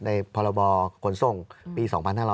ในพรบกฎทรงปี๒๕๒๒